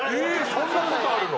そんな事あるの？